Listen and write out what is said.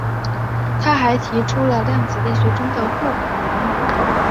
他还提出量子力学中的互补原理。